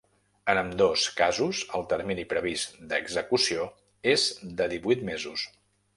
En ambdós casos, el termini previst d’execució és de divuit mesos.